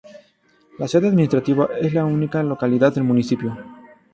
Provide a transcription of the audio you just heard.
La sede administrativa es la única localidad del municipio.